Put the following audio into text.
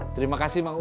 terima kasih mang u